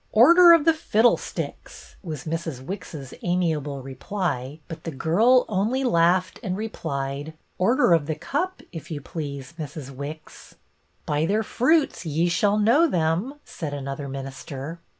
'' Order of the fiddlesticks' was Mrs. Wicks's amiable reply, but the girl only laughed and BETTY BAIRD 214 replied, ' Order of The Cup, if you please Mrs. Wicks.' ""' By their fruits ye shall know them,' " said another minister.